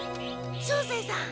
照星さん！